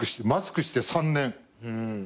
マスクして３年。